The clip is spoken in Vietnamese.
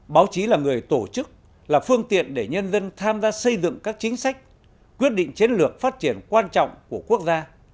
báo chí là người tổ chức là phương tiện để nhân dân tham gia xây dựng các chính sách quyết định chiến lược phát triển quan trọng của quốc gia